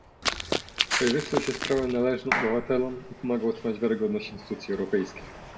Przejrzystość jest prawem należnym obywatelom i pomaga utrzymać wiarygodność instytucji europejskich